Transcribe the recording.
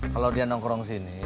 kalau dia nongkrong disini